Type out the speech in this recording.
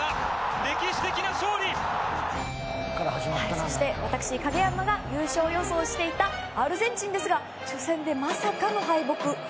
そして私、影山が優勝予想していたアルゼンチンですが初戦でまさかの敗北。